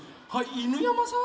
犬山さん！